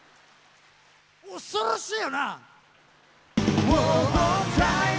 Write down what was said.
恐ろしいよな！